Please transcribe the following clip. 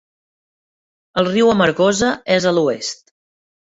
El riu Amargosa és a l'oest.